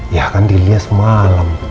ya kan dilya semalam